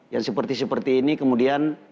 yang seperti seperti ini kemudian